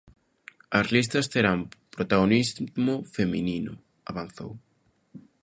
As listas terán protagonismo feminino, avanzou.